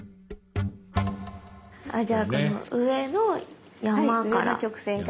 じゃあこの上の山から。